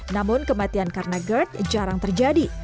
namun kematian karena gerd jarang terjadi